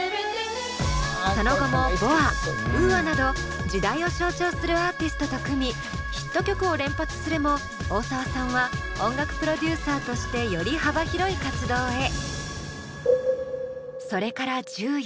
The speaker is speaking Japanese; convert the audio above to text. その後もＢｏＡＵＡなど時代を象徴するアーティストと組みヒット曲を連発するも大沢さんは音楽プロデューサーとしてより幅広い活動へ。